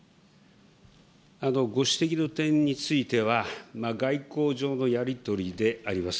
ご指摘の点については、外交上のやり取りであります。